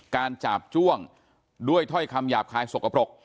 จาบจ้วงด้วยถ้อยคำหยาบคายสกปรก